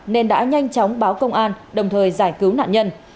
nên đã nhanh chóng báo công an đồng thời giải cứu nạn nhân